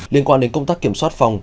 liên quan đến công tác kiểm soát phòng